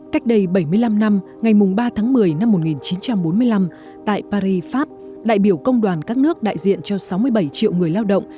cách đây bảy mươi năm năm ngày ba tháng một mươi năm một nghìn chín trăm bốn mươi năm tại paris pháp đại biểu công đoàn các nước đại diện cho sáu mươi bảy triệu người lao động